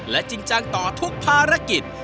และจริงจังต่อทุกภารกิจ